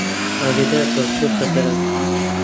ئاگادار بە، زۆر خەتەرە